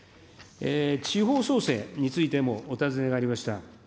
地方創生についても、お尋ねがありました。